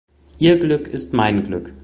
Ihr Glück ist mein Glück.